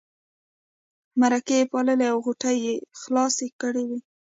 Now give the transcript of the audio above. مرکې یې پاللې او غوټې یې خلاصې کړې وې.